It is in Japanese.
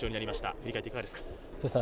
振り返っていかがでしたか。